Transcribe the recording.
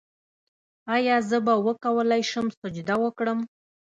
ایا زه به وکولی شم سجده وکړم؟